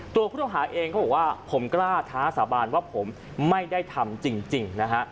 ตัวคุณภาคเองก็บอกว่าผมกล้าท้าสาบานว่าผมไม่ได้ทำจริงนะฮะ